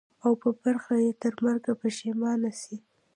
او په برخه یې ترمرګه پښېماني سي